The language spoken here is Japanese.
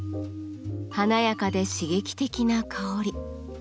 華やかで刺激的な香り。